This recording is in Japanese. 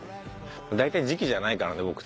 大体時期じゃないからね